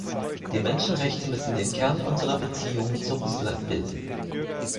Die Menschenrechte müssen den Kern unserer Beziehungen zu Russland bilden.